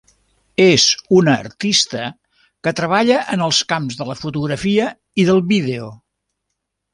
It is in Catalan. És una artista que treballa en els camps de la fotografia i del vídeo.